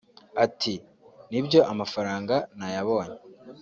Ati “Nibyo amafaranga nayabonye